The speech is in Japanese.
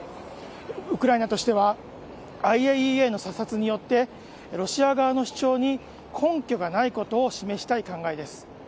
ウクライナとしてはＩＡＥＡの査察によってロシア側の主張に根拠がないことを示したい考えです。